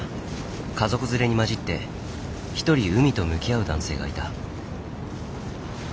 家族連れに交じって一人海と向き合う男性がいた。